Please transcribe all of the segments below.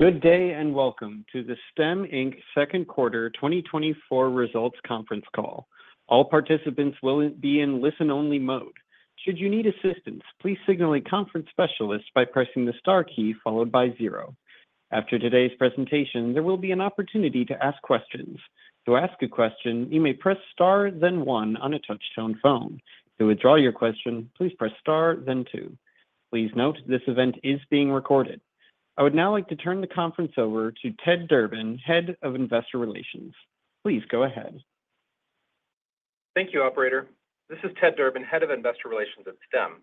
Good day, and welcome to the Stem, Inc. second quarter 2024 results conference call. All participants will be in listen-only mode. Should you need assistance, please signal a conference specialist by pressing the star key followed by zero. After today's presentation, there will be an opportunity to ask questions. To ask a question, you may press star, then one on a touch-tone phone. To withdraw your question, please press star, then two. Please note, this event is being recorded. I would now like to turn the conference over to Ted Durbin, Head of Investor Relations. Please go ahead. Thank you, operator. This is Ted Durbin, Head of Investor Relations at Stem.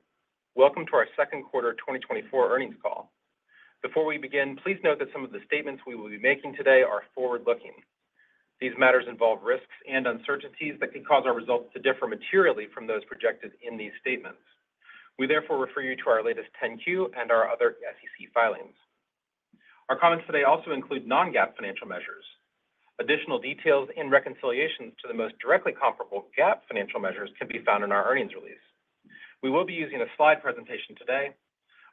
Welcome to our second quarter 2024 earnings call. Before we begin, please note that some of the statements we will be making today are forward-looking. These matters involve risks and uncertainties that could cause our results to differ materially from those projected in these statements. We therefore refer you to our latest 10-Q and our other SEC filings. Our comments today also include non-GAAP financial measures. Additional details and reconciliations to the most directly comparable GAAP financial measures can be found in our earnings release. We will be using a slide presentation today.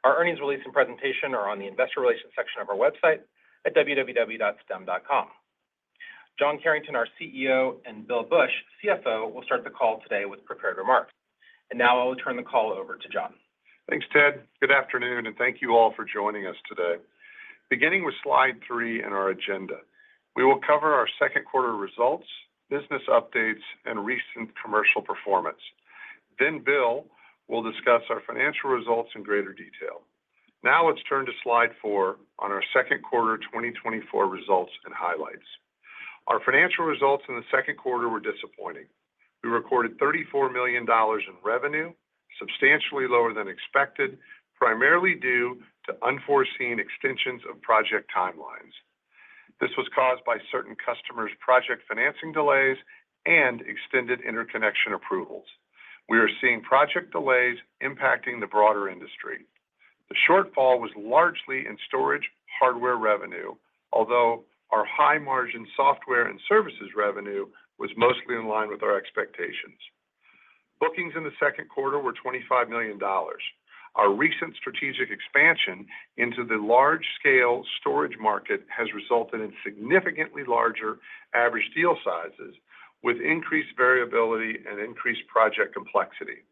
Our earnings release and presentation are on the investor relations section of our website at www.stem.com. John Carrington, our CEO, and Bill Bush, CFO, will start the call today with prepared remarks. Now I will turn the call over to John. Thanks, Ted. Good afternoon, and thank you all for joining us today. Beginning with slide 3 in our agenda, we will cover our second quarter results, business updates, and recent commercial performance. Then Bill will discuss our financial results in greater detail. Now, let's turn to slide 4 on our second quarter 2024 results and highlights. Our financial results in the second quarter were disappointing. We recorded $34 million in revenue, substantially lower than expected, primarily due to unforeseen extensions of project timelines. This was caused by certain customers' project financing delays and extended interconnection approvals. We are seeing project delays impacting the broader industry. The shortfall was largely in storage, hardware revenue, although our high-margin software and services revenue was mostly in line with our expectations. Bookings in the second quarter were $25 million. Our recent strategic expansion into the large-scale storage market has resulted in significantly larger average deal sizes, with increased variability and increased project complexity.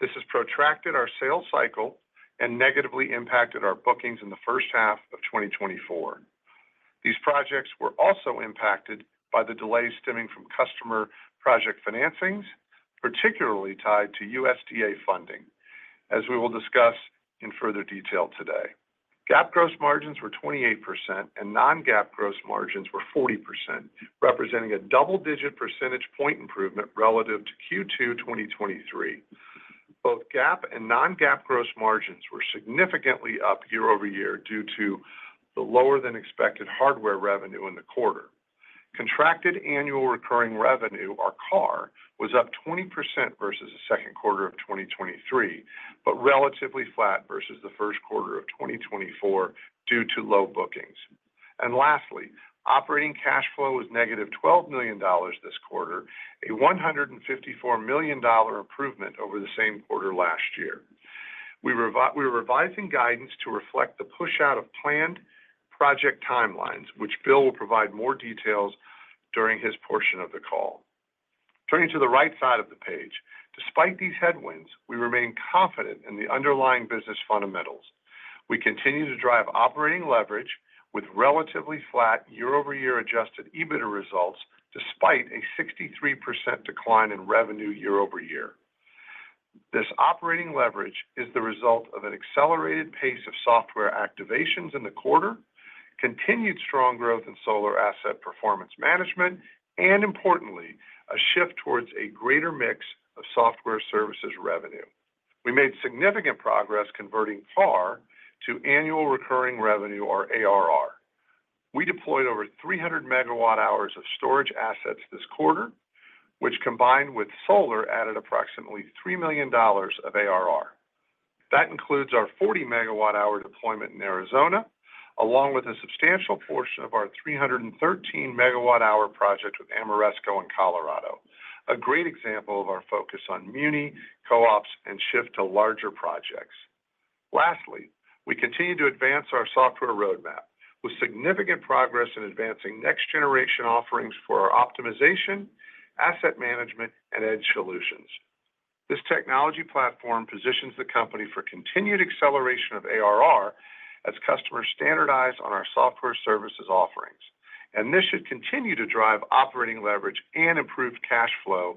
This has protracted our sales cycle and negatively impacted our bookings in the first half of 2024. These projects were also impacted by the delays stemming from customer project financings, particularly tied to USDA funding, as we will discuss in further detail today. GAAP gross margins were 28% and non-GAAP gross margins were 40%, representing a double-digit percentage point improvement relative to Q2 2023. Both GAAP and non-GAAP gross margins were significantly up year over year due to the lower-than-expected hardware revenue in the quarter. Contracted annual recurring revenue, or CARR, was up 20% versus the second quarter of 2023, but relatively flat versus the first quarter of 2024 due to low bookings. Lastly, operating cash flow was -$12 million this quarter, a $154 million improvement over the same quarter last year. We are revising guidance to reflect the push out of planned project timelines, which Bill will provide more details during his portion of the call. Turning to the right side of the page, despite these headwinds, we remain confident in the underlying business fundamentals. We continue to drive operating leverage with relatively flat year-over-year adjusted EBITDA results, despite a 63% decline in revenue year-over-year. This operating leverage is the result of an accelerated pace of software activations in the quarter, continued strong growth in solar asset performance management, and importantly, a shift towards a greater mix of software services revenue. We made significant progress converting CARR to annual recurring revenue, or ARR. We deployed over 300 MWh of storage assets this quarter, which, combined with solar, added approximately $3 million of ARR. That includes our 40 MWh deployment in Arizona, along with a substantial portion of our 313 MWh project with Ameresco in Colorado, a great example of our focus on muni, co-ops, and shift to larger projects. Lastly, we continue to advance our software roadmap with significant progress in advancing next-generation offerings for our optimization, asset management, and edge solutions. This technology platform positions the company for continued acceleration of ARR as customers standardize on our software services offerings, and this should continue to drive operating leverage and improve cash flow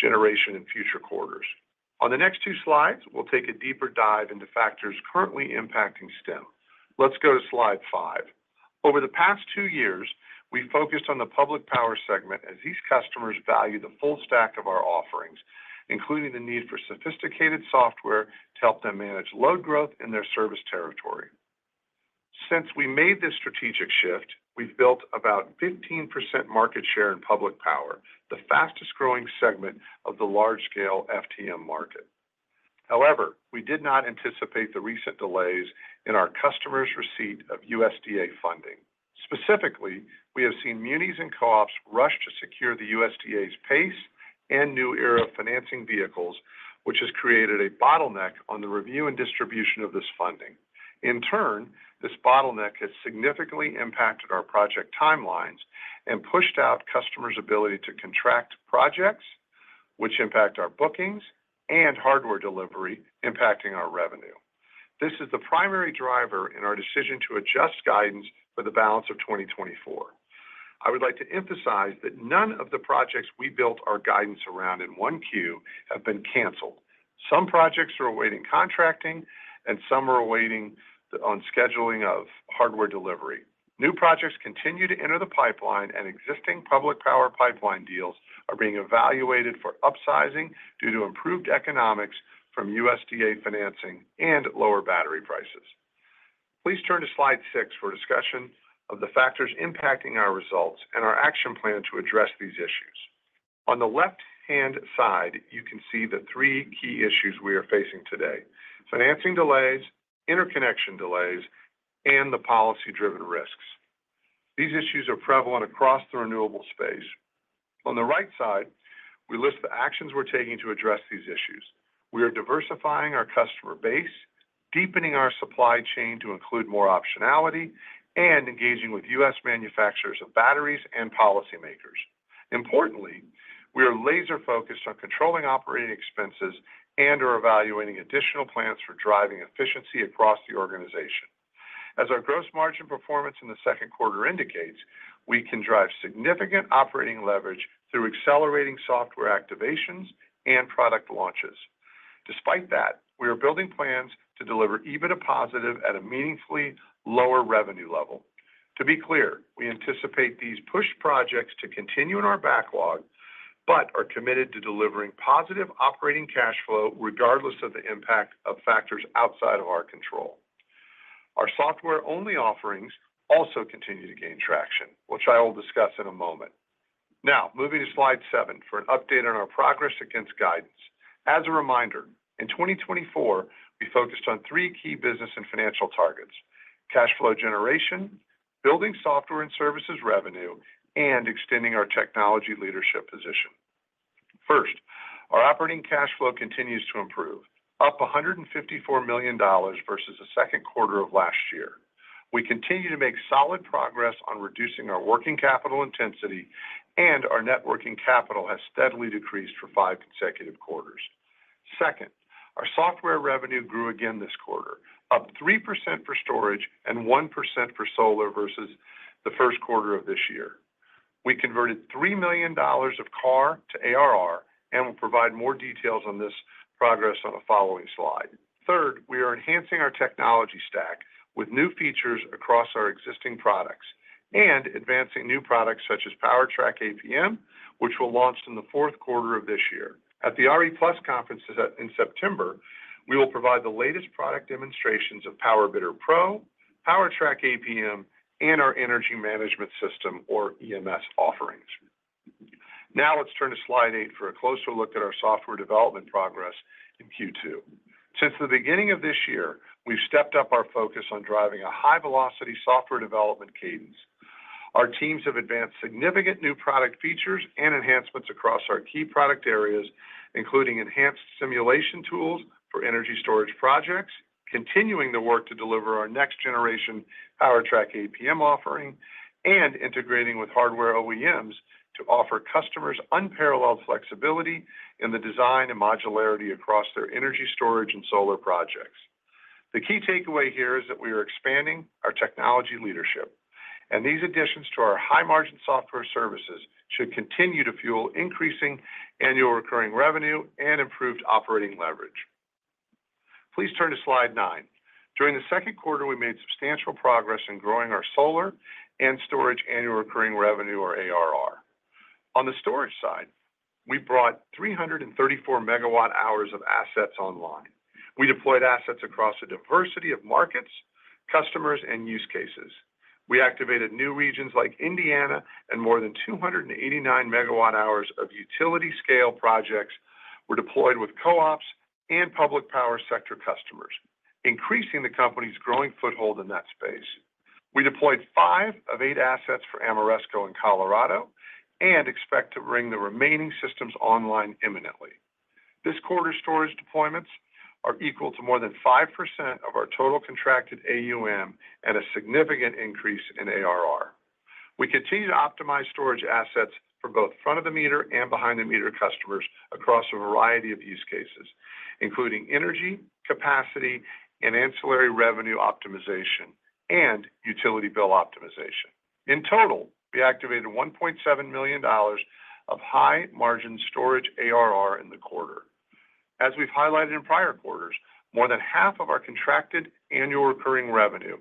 generation in future quarters. On the next two slides, we'll take a deeper dive into factors currently impacting Stem. Let's go to slide five. Over the past two years, we focused on the public power segment as these customers value the full stack of our offerings, including the need for sophisticated software to help them manage load growth in their service territory. Since we made this strategic shift, we've built about 15% market share in public power, the fastest-growing segment of the large-scale FTM market. However, we did not anticipate the recent delays in our customers' receipt of USDA funding. Specifically, we have seen munis and co-ops rush to secure the USDA's PACE and New ERA financing vehicles, which has created a bottleneck on the review and distribution of this funding. In turn, this bottleneck has significantly impacted our project timelines and pushed out customers' ability to contract projects, which impact our bookings and hardware delivery, impacting our revenue. This is the primary driver in our decision to adjust guidance for the balance of 2024. I would like to emphasize that none of the projects we built our guidance around in Q1 have been canceled. Some projects are awaiting contracting, and some are awaiting scheduling of hardware delivery. New projects continue to enter the pipeline, and existing public power pipeline deals are being evaluated for upsizing due to improved economics from USDA financing and lower battery prices. Please turn to slide six for a discussion of the factors impacting our results and our action plan to address these issues. On the left-hand side, you can see the three key issues we are facing today: financing delays, interconnection delays, and the policy-driven risks. These issues are prevalent across the renewable space. On the right side, we list the actions we're taking to address these issues. We are diversifying our customer base, deepening our supply chain to include more optionality, and engaging with U.S. manufacturers of batteries and policymakers. Importantly, we are laser-focused on controlling operating expenses and are evaluating additional plans for driving efficiency across the organization. As our gross margin performance in the second quarter indicates, we can drive significant operating leverage through accelerating software activations and product launches. Despite that, we are building plans to deliver EBITDA positive at a meaningfully lower revenue level. To be clear, we anticipate these push projects to continue in our backlog, but are committed to delivering positive operating cash flow regardless of the impact of factors outside of our control. Our software-only offerings also continue to gain traction, which I will discuss in a moment. Now, moving to slide seven for an update on our progress against guidance. As a reminder, in 2024, we focused on three key business and financial targets: cash flow generation, building software and services revenue, and extending our technology leadership position. First, our operating cash flow continues to improve, up $154 million versus the second quarter of last year. We continue to make solid progress on reducing our working capital intensity, and our net working capital has steadily decreased for five consecutive quarters. Second, our software revenue grew again this quarter, up 3% for storage and 1% for solar versus the first quarter of this year. We converted $3 million of CARR to ARR, and we'll provide more details on this progress on a following slide. Third, we are enhancing our technology stack with new features across our existing products and advancing new products such as PowerTrack APM, which will launch in the fourth quarter of this year. At the RE+ conference in September, we will provide the latest product demonstrations of PowerBidder Pro, PowerTrack APM, and our Energy Management System, or EMS, offerings. Now, let's turn to slide eight for a closer look at our software development progress in Q2. Since the beginning of this year, we've stepped up our focus on driving a high-velocity software development cadence. Our teams have advanced significant new product features and enhancements across our key product areas, including enhanced simulation tools for energy storage projects, continuing the work to deliver our next generation PowerTrack APM offering, and integrating with hardware OEMs to offer customers unparalleled flexibility in the design and modularity across their energy storage and solar projects. The key takeaway here is that we are expanding our technology leadership, and these additions to our high-margin software services should continue to fuel increasing annual recurring revenue and improved operating leverage. Please turn to slide nine. During the second quarter, we made substantial progress in growing our solar and storage annual recurring revenue, or ARR. On the storage side, we brought 334 MWh of assets online. We deployed assets across a diversity of markets, customers, and use cases. We activated new regions like Indiana, and more than 289 MWh of utility-scale projects were deployed with co-ops and public power sector customers, increasing the company's growing foothold in that space. We deployed five of eight assets for Ameresco in Colorado and expect to bring the remaining systems online imminently. This quarter's storage deployments are equal to more than 5% of our total contracted AUM and a significant increase in ARR. We continue to optimize storage assets for both front-of-the-meter and behind-the-meter customers across a variety of use cases, including energy, capacity, and ancillary revenue optimization, and utility bill optimization. In total, we activated $1.7 million of high-margin storage ARR in the quarter. As we've highlighted in prior quarters, more than half of our contracted annual recurring revenue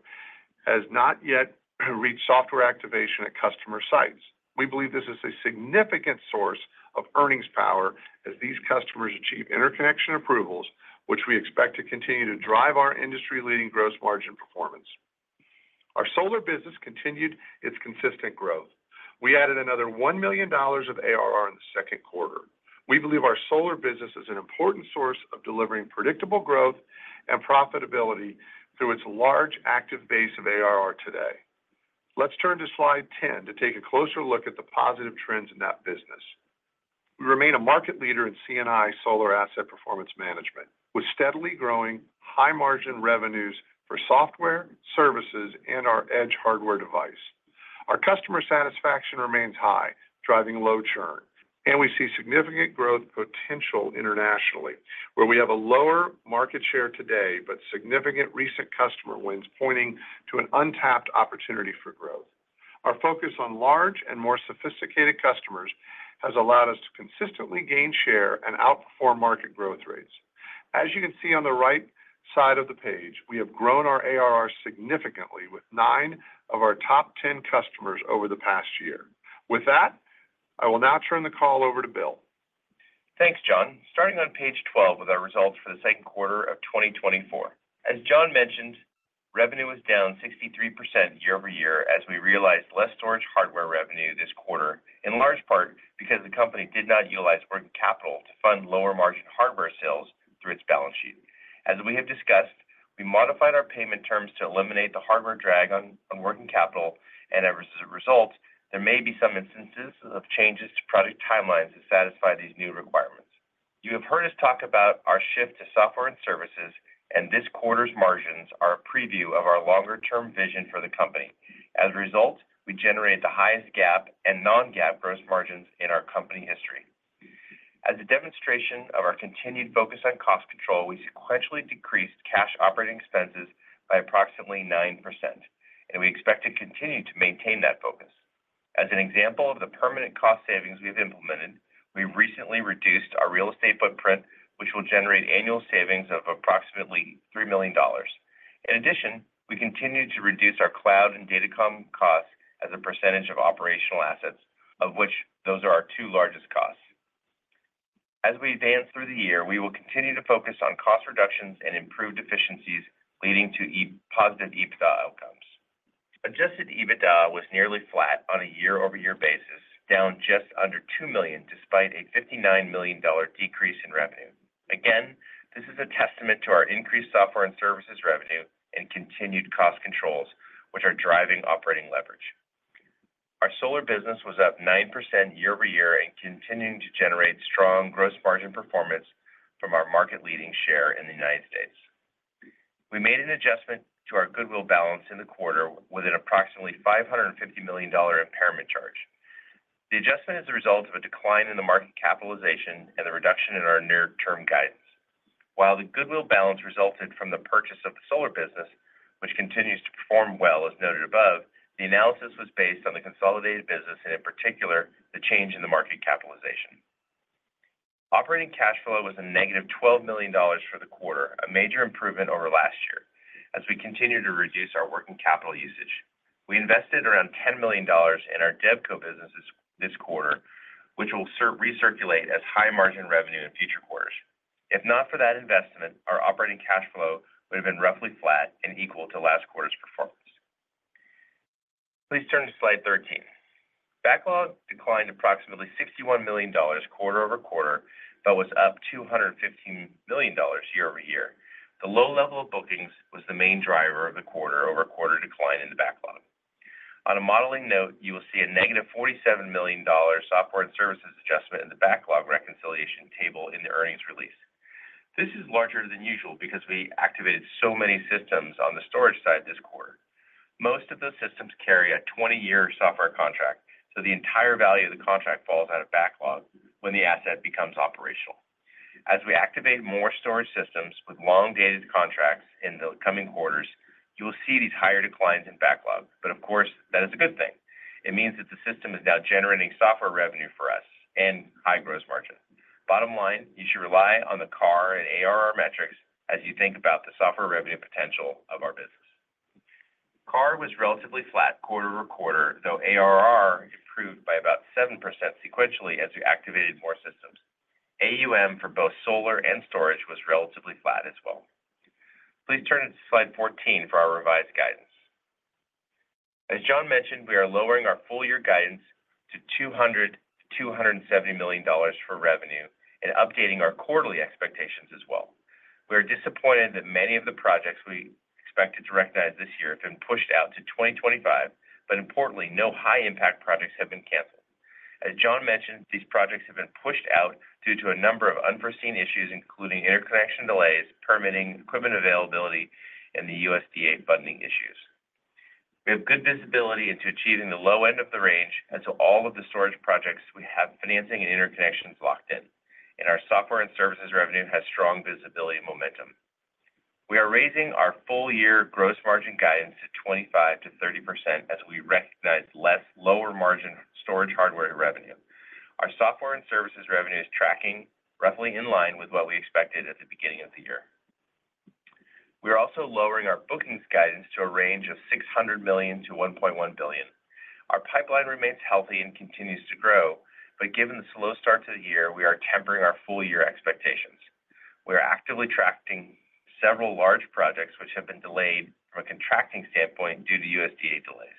has not yet reached software activation at customer sites. We believe this is a significant source of earnings power as these customers achieve interconnection approvals, which we expect to continue to drive our industry-leading gross margin performance. Our solar business continued its consistent growth. We added another $1 million of ARR in the second quarter. We believe our solar business is an important source of delivering predictable growth and profitability through its large active base of ARR today. Let's turn to slide 10 to take a closer look at the positive trends in that business. We remain a market leader in C&I solar asset performance management, with steadily growing high-margin revenues for software, services, and our Edge hardware device. Our customer satisfaction remains high, driving low churn, and we see significant growth potential internationally, where we have a lower market share today, but significant recent customer wins, pointing to an untapped opportunity for growth. Our focus on large and more sophisticated customers has allowed us to consistently gain share and outperform market growth rates. As you can see on the right side of the page, we have grown our ARR significantly with nine of our top ten customers over the past year. With that, I will now turn the call over to Bill. Thanks, John. Starting on page 12 with our results for the second quarter of 2024. As John mentioned, revenue was down 63% year-over-year as we realized less storage hardware revenue this quarter, in large part because the company did not utilize working capital to fund lower-margin hardware sales through its balance sheet. As we have discussed, we modified our payment terms to eliminate the hardware drag on working capital, and as a result, there may be some instances of changes to product timelines to satisfy these new requirements. You have heard us talk about our shift to software and services, and this quarter's margins are a preview of our longer-term vision for the company. As a result, we generated the highest GAAP and non-GAAP gross margins in our company history. As a demonstration of our continued focus on cost control, we sequentially decreased cash operating expenses by approximately 9%, and we expect to continue to maintain that focus. As an example of the permanent cost savings we have implemented, we recently reduced our real estate footprint, which will generate annual savings of approximately $3 million. In addition, we continued to reduce our cloud and datacom costs as a percentage of operational assets, of which those are our two largest costs. As we advance through the year, we will continue to focus on cost reductions and improved efficiencies, leading to positive EBITDA outcomes. Adjusted EBITDA was nearly flat on a year-over-year basis, down just under $2 million, despite a $59 million decrease in revenue. Again, this is a testament to our increased software and services revenue and continued cost controls, which are driving operating leverage. Our solar business was up 9% year-over-year and continuing to generate strong gross margin performance from our market-leading share in the United States. We made an adjustment to our goodwill balance in the quarter with an approximately $550 million impairment charge. The adjustment is a result of a decline in the market capitalization and the reduction in our near-term guidance. While the goodwill balance resulted from the purchase of the solar business, which continues to perform well, as noted above, the analysis was based on the consolidated business, and in particular, the change in the market capitalization. Operating cash flow was -$12 million for the quarter, a major improvement over last year, as we continue to reduce our working capital usage. We invested around $10 million in our DevCo businesses this quarter, which will serve--recirculate as high-margin revenue in future quarters. If not for that investment, our operating cash flow would have been roughly flat and equal to last quarter's performance. Please turn to slide 13. Backlog declined approximately $61 million quarter-over-quarter, but was up $215 million year-over-year. The low level of bookings was the main driver of the quarter-over-quarter decline in the backlog. On a modeling note, you will see a -$47 million software and services adjustment in the backlog reconciliation table in the earnings release. This is larger than usual because we activated so many systems on the storage side this quarter. Most of those systems carry a 20-year software contract, so the entire value of the contract falls out of backlog when the asset becomes operational. As we activate more storage systems with long-dated contracts in the coming quarters, you will see these higher declines in backlog, but of course, that is a good thing. It means that the system is now generating software revenue for us and high gross margin. Bottom line, you should rely on the CAR and ARR metrics as you think about the software revenue potential of our business. CAR was relatively flat quarter-over-quarter, though ARR improved by about 7% sequentially as we activated more systems. AUM for both solar and storage was relatively flat as well. Please turn to slide 14 for our revised guidance. As John mentioned, we are lowering our full-year guidance to $270 million for revenue and updating our quarterly expectations as well. We are disappointed that many of the projects we expected to recognize this year have been pushed out to 2025, but importantly, no high-impact projects have been canceled. As John mentioned, these projects have been pushed out due to a number of unforeseen issues, including interconnection delays, permitting, equipment availability, and the USDA funding issues. We have good visibility into achieving the low end of the range, as to all of the storage projects we have financing and interconnections locked in, and our software and services revenue has strong visibility and momentum. We are raising our full-year gross margin guidance to 25%-30% as we recognize less lower-margin storage hardware revenue. Our software and services revenue is tracking roughly in line with what we expected at the beginning of the year. We are also lowering our bookings guidance to a range of $600 million-$1.1 billion. Our pipeline remains healthy and continues to grow, but given the slow start to the year, we are tempering our full year expectations. We are actively tracking several large projects which have been delayed from a contracting standpoint due to USDA delays.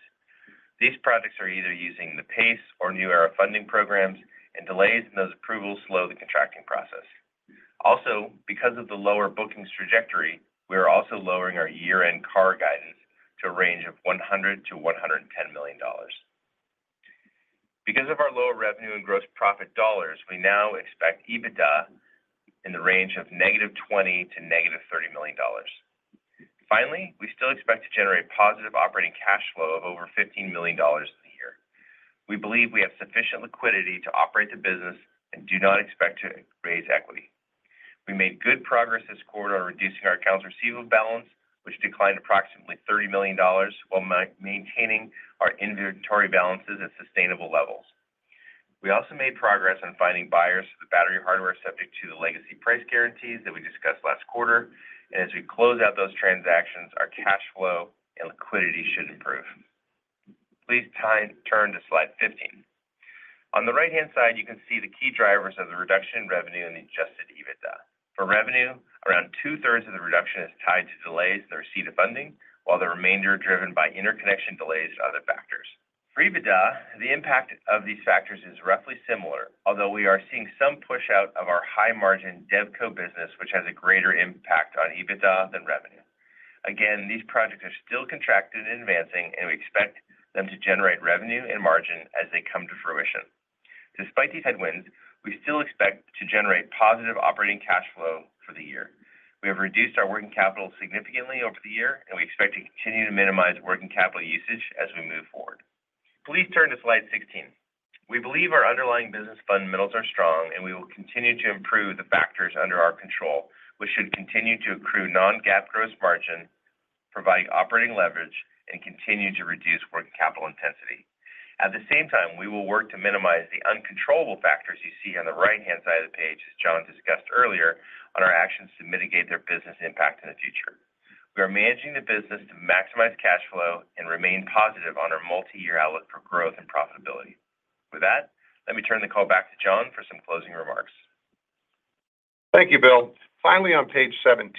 These projects are either using the PACE or New ERA funding programs, and delays in those approvals slow the contracting process. Also, because of the lower bookings trajectory, we are also lowering our year-end CAR guidance to a range of $100 million-$110 million. Because of our lower revenue and gross profit dollars, we now expect EBITDA in the range of -$20 million to -$30 million. Finally, we still expect to generate positive operating cash flow of over $15 million this year. We believe we have sufficient liquidity to operate the business and do not expect to raise equity. We made good progress this quarter on reducing our accounts receivable balance, which declined approximately $30 million, while maintaining our inventory balances at sustainable levels. We also made progress on finding buyers for the battery hardware subject to the legacy price guarantees that we discussed last quarter. And as we close out those transactions, our cash flow and liquidity should improve. Please turn to slide 15. On the right-hand side, you can see the key drivers of the reduction in revenue and adjusted EBITDA. For revenue, around 2/3 of the reduction is tied to delays in the receipt of funding, while the remainder are driven by interconnection delays and other factors. For EBITDA, the impact of these factors is roughly similar, although we are seeing some push out of our high-margin DevCo business, which has a greater impact on EBITDA than revenue. Again, these projects are still contracted and advancing, and we expect them to generate revenue and margin as they come to fruition. Despite these headwinds, we still expect to generate positive operating cash flow for the year. We have reduced our working capital significantly over the year, and we expect to continue to minimize working capital usage as we move forward. Please turn to slide 16. We believe our underlying business fundamentals are strong, and we will continue to improve the factors under our control, which should continue to accrue non-GAAP gross margin, provide operating leverage, and continue to reduce working capital intensity. At the same time, we will work to minimize the uncontrollable factors you see on the right-hand side of the page, as John discussed earlier, on our actions to mitigate their business impact in the future. We are managing the business to maximize cash flow and remain positive on our multi-year outlook for growth and profitability. With that, let me turn the call back to John for some closing remarks. Thank you, Bill. Finally, on page 17,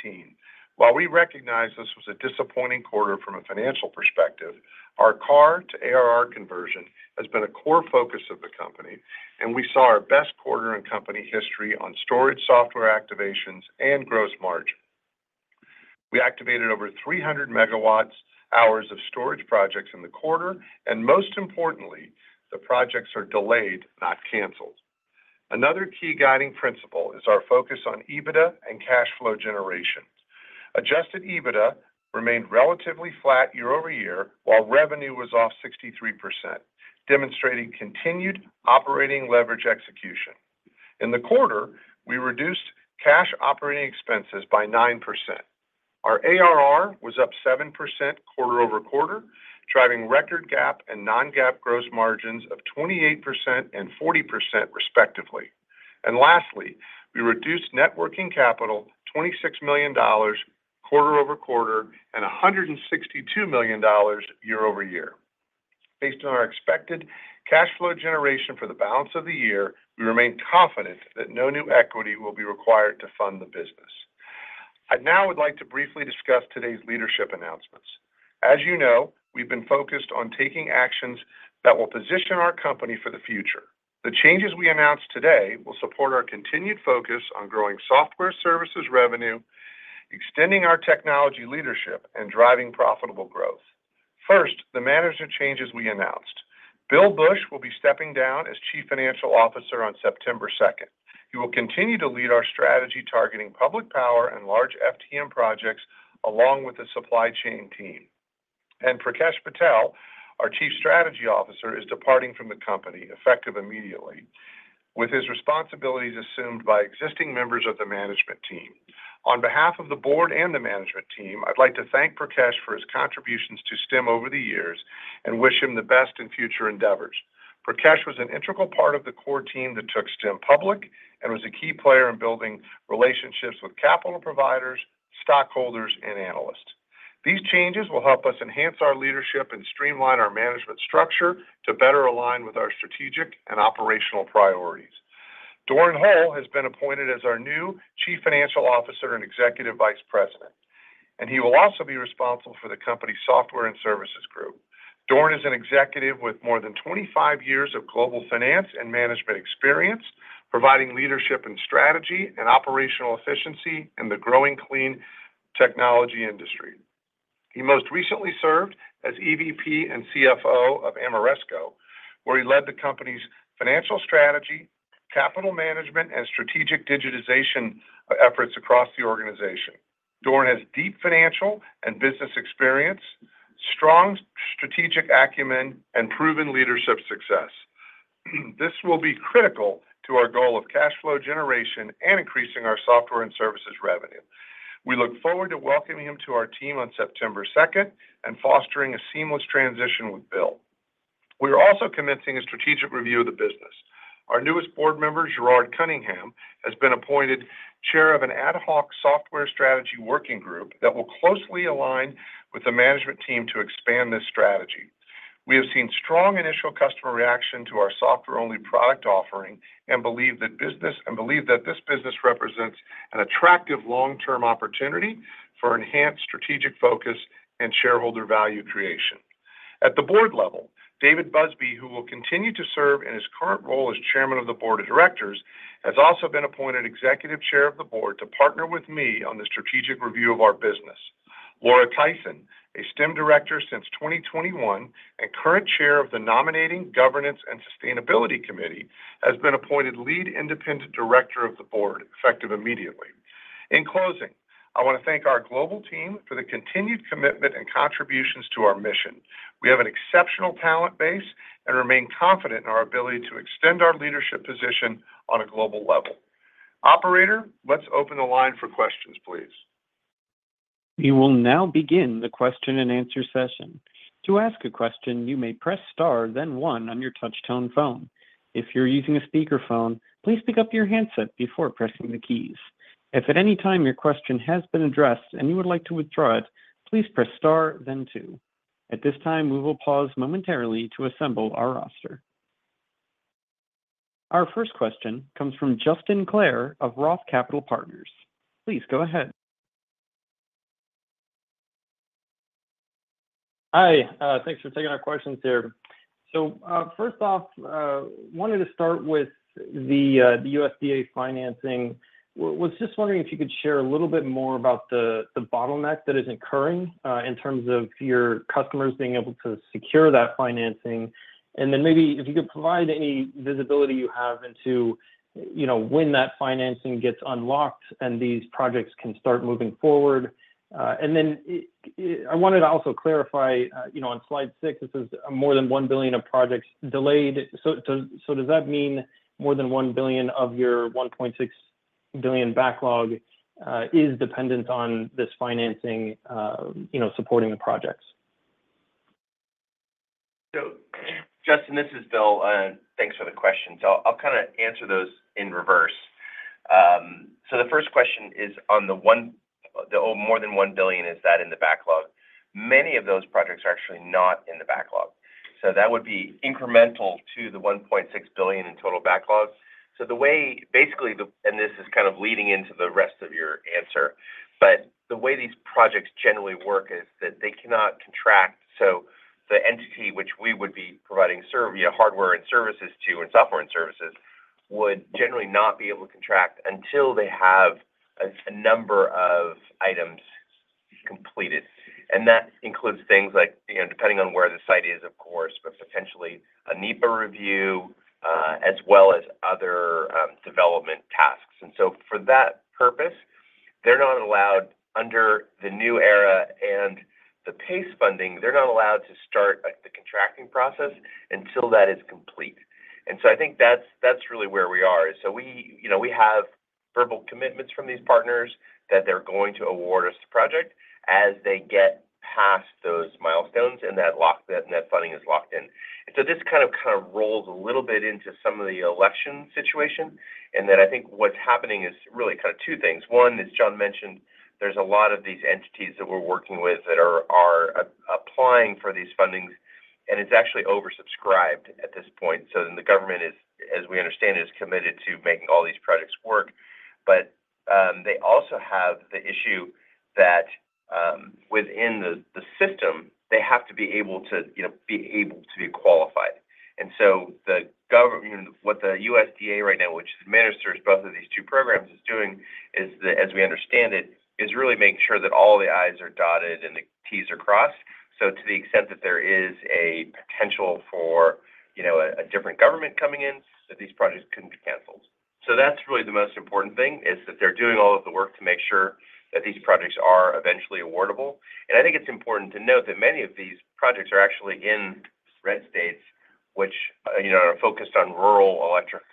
while we recognize this was a disappointing quarter from a financial perspective, our CARR to ARR conversion has been a core focus of the company, and we saw our best quarter in company history on storage, software activations, and gross margin. We activated over 300 MWh of storage projects in the quarter, and most importantly, the projects are delayed, not canceled. Another key guiding principle is our focus on EBITDA and cash flow generation. Adjusted EBITDA remained relatively flat year-over-year, while revenue was off 63%, demonstrating continued operating leverage execution. In the quarter, we reduced cash operating expenses by 9%. Our ARR was up 7% quarter-over-quarter, driving record GAAP and non-GAAP gross margins of 28% and 40%, respectively. And lastly, we reduced net working capital $26 million quarter-over-quarter and $162 million year-over-year. Based on our expected cash flow generation for the balance of the year, we remain confident that no new equity will be required to fund the business. I now would like to briefly discuss today's leadership announcements. As you know, we've been focused on taking actions that will position our company for the future. The changes we announced today will support our continued focus on growing software services revenue, extending our technology leadership, and driving profitable growth. First, the management changes we announced. Bill Bush will be stepping down as Chief Financial Officer on September second. He will continue to lead our strategy, targeting public power and large FTM projects, along with the supply chain team. Prakash Patel, our Chief Strategy Officer, is departing from the company, effective immediately, with his responsibilities assumed by existing members of the management team. On behalf of the board and the management team, I'd like to thank Prakash for his contributions to Stem over the years and wish him the best in future endeavors. Prakash was an integral part of the core team that took Stem public and was a key player in building relationships with capital providers, stockholders, and analysts. These changes will help us enhance our leadership and streamline our management structure to better align with our strategic and operational priorities. Doran Hole has been appointed as our new Chief Financial Officer and Executive Vice President, and he will also be responsible for the company's software and services group. Doran is an executive with more than 25 years of global finance and management experience, providing leadership in strategy and operational efficiency in the growing clean technology industry. He most recently served as EVP and CFO of Ameresco, where he led the company's financial strategy, capital management, and strategic digitization efforts across the organization. Doran has deep financial and business experience, strong strategic acumen, and proven leadership success. This will be critical to our goal of cash flow generation and increasing our software and services revenue. We look forward to welcoming him to our team on September 2nd, and fostering a seamless transition with Bill. We are also commencing a strategic review of the business. Our newest board member, Gerard Cunningham, has been appointed chair of an ad hoc software strategy working group that will closely align with the management team to expand this strategy. We have seen strong initial customer reaction to our software-only product offering and believe that this business represents an attractive long-term opportunity for enhanced strategic focus and shareholder value creation. At the board level, David Buzby, who will continue to serve in his current role as chairman of the board of directors, has also been appointed executive chair of the board to partner with me on the strategic review of our business. Laura Tyson, a Stem director since 2021 and current chair of the Nominating, Governance, and Sustainability Committee, has been appointed lead independent director of the board, effective immediately. In closing, I want to thank our global team for the continued commitment and contributions to our mission. We have an exceptional talent base and remain confident in our ability to extend our leadership position on a global level. Operator, let's open the line for questions, please. We will now begin the question and answer session. To ask a question, you may press star, then one on your touchtone phone. If you're using a speakerphone, please pick up your handset before pressing the keys. If at any time your question has been addressed and you would like to withdraw it, please press star, then two. At this time, we will pause momentarily to assemble our roster. Our first question comes from Justin Clare of Roth Capital Partners. Please go ahead. Hi, thanks for taking our questions here. So, first off, wanted to start with the, the USDA financing. Was just wondering if you could share a little bit more about the, the bottleneck that is occurring, in terms of your customers being able to secure that financing. And then maybe if you could provide any visibility you have into, you know, when that financing gets unlocked and these projects can start moving forward. And then, I wanted to also clarify, you know, on slide 6, it says more than $1 billion of projects delayed. So does that mean more than $1 billion of your $1.6 billion backlog, is dependent on this financing, you know, supporting the projects? So, Justin, this is Bill, and thanks for the question. So I'll kind of answer those in reverse. So the first question is on the more than $1 billion, is that in the backlog? Many of those projects are actually not in the backlog, so that would be incremental to the $1.6 billion in total backlogs. So the way, basically the. And this is kind of leading into the rest of your answer, but the way these projects generally work is that they cannot contract. So the entity which we would be providing, you know, hardware and services to, and software and services, would generally not be able to contract until they have a number of items completed. That includes things like, you know, depending on where the site is, of course, but potentially a NEPA review, as well as other development tasks. And so for that purpose, they're not allowed under the New ERA and the PACE funding; they're not allowed to start, like, the contracting process until that is complete. And so I think that's really where we are. So we, you know, we have verbal commitments from these partners that they're going to award us the project as they get past those milestones, and that funding is locked in. And so this kind of rolls a little bit into some of the election situation, and that I think what's happening is really kind of two things. One, as John mentioned, there's a lot of these entities that we're working with that are applying for these fundings, and it's actually oversubscribed at this point. So the government, as we understand, is committed to making all these projects work, but they also have the issue that within the system, they have to be able to, you know, be able to be qualified. And so the government, what the USDA right now, which administers both of these two programs, is doing, is that, as we understand it, is really making sure that all the I's are dotted and the t's are crossed. So to the extent that there is a potential for, you know, a different government coming in, that these projects couldn't be canceled. So that's really the most important thing, is that they're doing all of the work to make sure that these projects are eventually awardable. And I think it's important to note that many of these projects are actually in red states which, you know, are focused on rural electric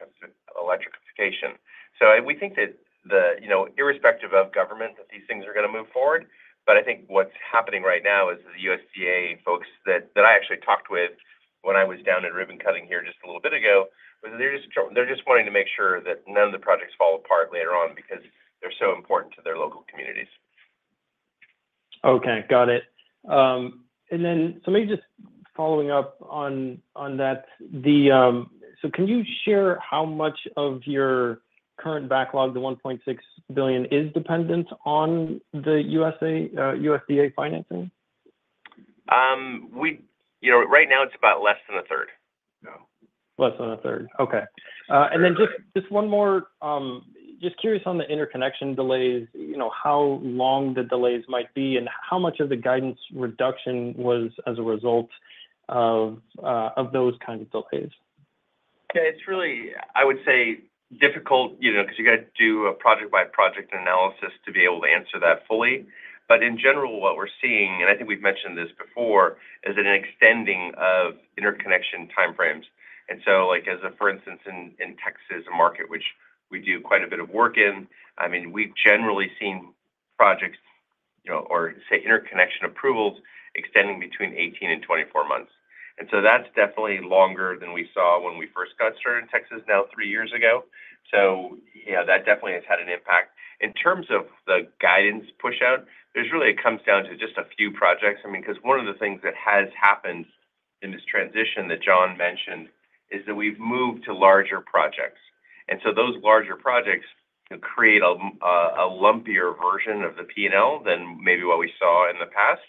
electrification. So we think that the, you know, irrespective of government, that these things are going to move forward. But I think what's happening right now is the USDA folks that I actually talked with when I was down at ribbon-cutting here just a little bit ago was they're just trying—they're just wanting to make sure that none of the projects fall apart later on because they're so important to their local communities. Okay, got it. So maybe just following up on that. So can you share how much of your current backlog, the $1.6 billion, is dependent on the U.S., USDA financing? We, you know, right now it's about less than a third, so. Less than a 1/3. Okay. Sure. And then just, just one more, just curious on the interconnection delays, you know, how long the delays might be and how much of the guidance reduction was as a result of, of those kind of delays? Okay, it's really, I would say, difficult, you know, because you got to do a project-by-project analysis to be able to answer that fully. But in general, what we're seeing, and I think we've mentioned this before, is that an extending of interconnection time frames. And so, like, as a, for instance, in, in Texas market, which we do quite a bit of work in, I mean, we've generally seen projects, you know, or say, interconnection approvals extending between 18 and 24 months. And so that's definitely longer than we saw when we first got started in Texas now, three years ago.... So, yeah, that definitely has had an impact. In terms of the guidance pushout, there's really-- it comes down to just a few projects. I mean, 'cause one of the things that has happened in this transition that John mentioned is that we've moved to larger projects. Those larger projects create a lumpier version of the P&L than maybe what we saw in the past,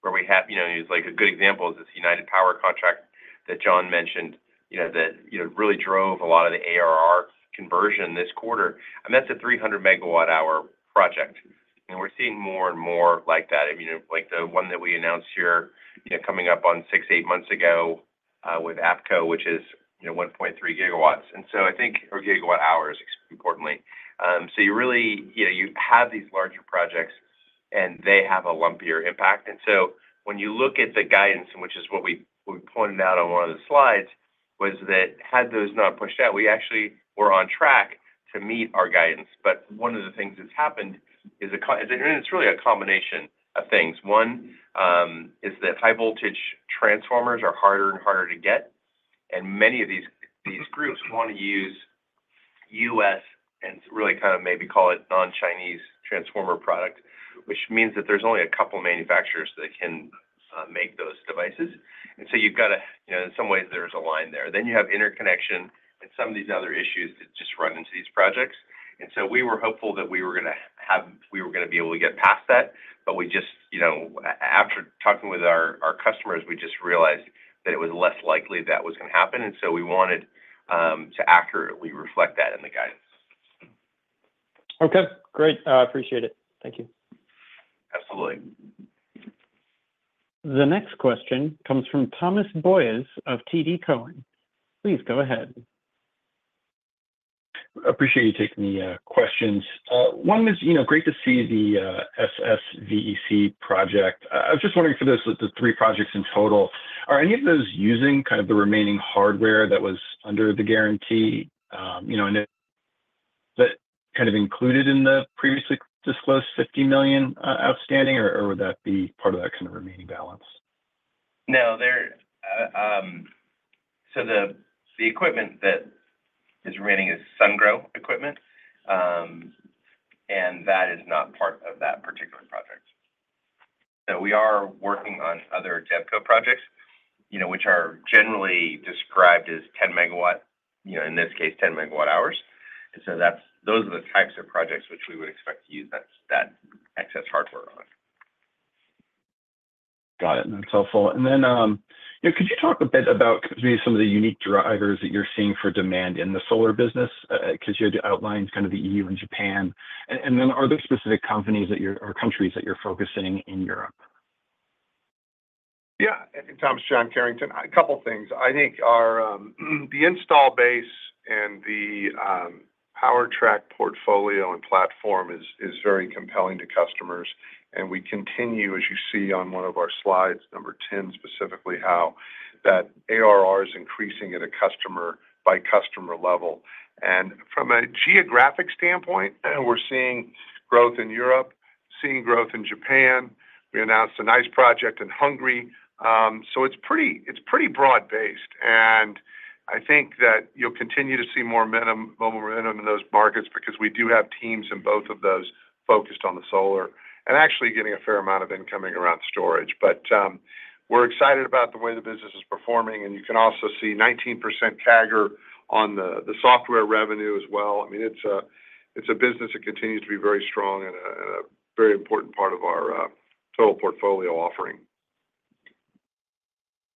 where we have, you know. Like, a good example is this United Power contract that John mentioned, you know, that, you know, really drove a lot of the ARR conversion this quarter, and that's a 300 MWh project. And we're seeing more and more like that. I mean, like the one that we announced here, you know, coming up on six, eight months ago, with AEPCO, which is, you know, 1.3 GWh. And so I think or GWh, importantly. So you really, you know, you have these larger projects, and they have a lumpier impact. And so when you look at the guidance, which is what we, we pointed out on one of the slides, was that had those not pushed out, we actually were on track to meet our guidance. But one of the things that's happened is and it's really a combination of things. One, is that high voltage transformers are harder and harder to get, and many of these, these groups want to use U.S., and really kind of maybe call it non-Chinese transformer product, which means that there's only a couple manufacturers that can make those devices. And so you've got to, you know, in some ways, there's a line there. Then you have interconnection and some of these other issues that just run into these projects. And so we were hopeful that we were gonna be able to get past that, but we just... You know, after talking with our customers, we just realized that it was less likely that was gonna happen, and so we wanted to accurately reflect that in the guidance. Okay, great. Appreciate it. Thank you. Absolutely. The next question comes from Thomas Boyes of TD Cowen. Please go ahead. Appreciate you taking the questions. One is, you know, great to see the SSVEC project. I was just wondering for those, with the three projects in total, are any of those using kind of the remaining hardware that was under the guarantee? You know, and is that kind of included in the previously disclosed $50 million outstanding, or would that be part of that kind of remaining balance? No, there. So the equipment that is remaining is Sungrow equipment, and that is not part of that particular project. So we are working on other DevCo projects, you know, which are generally described as 10 MW, you know, in this case, 10 MWh. And so those are the types of projects which we would expect to use that excess hardware on. Got it. That's helpful. And then, you know, could you talk a bit about maybe some of the unique drivers that you're seeing for demand in the solar business? 'Cause you had outlined kind of the EU and Japan. And then are there specific companies that you're or countries that you're focusing in Europe? Yeah. Hey, Tom, it's John Carrington. A couple things. I think our the install base and the PowerTrack portfolio and platform is very compelling to customers, and we continue, as you see on one of our slides, number 10, specifically, how that ARR is increasing at a customer-by-customer level. And from a geographic standpoint, we're seeing growth in Europe, seeing growth in Japan. We announced a nice project in Hungary. So it's pretty broad-based, and I think that you'll continue to see more momentum in those markets because we do have teams in both of those focused on the solar, and actually getting a fair amount of incoming around storage. But we're excited about the way the business is performing, and you can also see 19% CAGR on the software revenue as well. I mean, it's a business that continues to be very strong and a very important part of our total portfolio offering.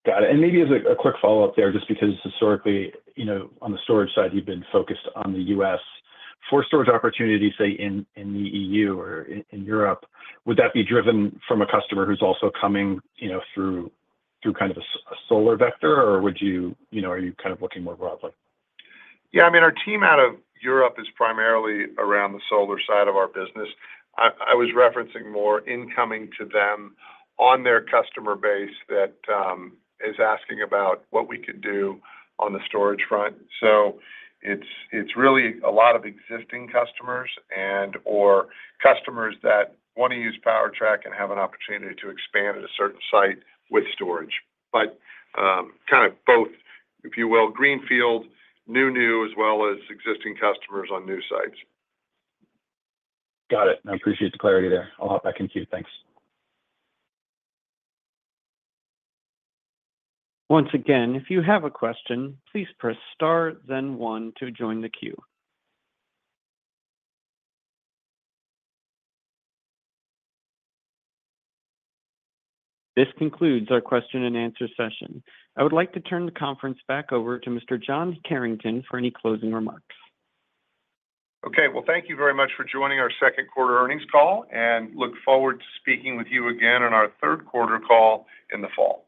Got it. And maybe as a quick follow-up there, just because historically, you know, on the storage side, you've been focused on the U.S. For storage opportunities, say, in the E.U. or in Europe, would that be driven from a customer who's also coming, you know, through kind of a solar vector? Or would you, you know, are you kind of looking more broadly? Yeah. I mean, our team out of Europe is primarily around the solar side of our business. I was referencing more incoming to them on their customer base that is asking about what we could do on the storage front. So it's really a lot of existing customers and/or customers that want to use PowerTrack and have an opportunity to expand at a certain site with storage. But kind of both, if you will, greenfield, new-new, as well as existing customers on new sites. Got it. I appreciate the clarity there. I'll hop back in queue. Thanks. Once again, if you have a question, please press star then one to join the queue. This concludes our question and answer session. I would like to turn the conference back over to Mr. John Carrington for any closing remarks. Okay. Well, thank you very much for joining our second quarter earnings call, and look forward to speaking with you again on our third quarter call in the fall.